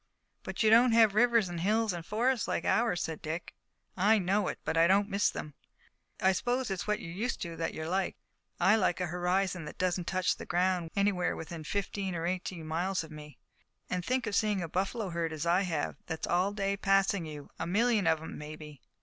"But you don't have rivers and hills and forests like ours," said Dick. "I know it, but I don't miss them. I suppose it's what you're used to that you like. I like a horizon that doesn't touch the ground anywhere within fifteen or eighteen miles of me. And think of seeing a buffalo herd, as I have, that's all day passing you, a million of 'em, maybe!"